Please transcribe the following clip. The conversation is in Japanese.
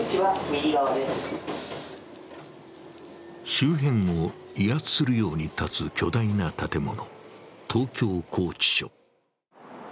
周辺を威圧するように立つ巨大な建物、東京拘置所。